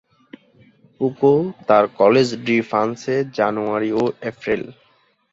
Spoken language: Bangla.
ফুকো তার কলেজ ডি ফ্রান্সে জানুয়ারি ও এপ্রিল।